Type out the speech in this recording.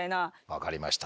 分かりました。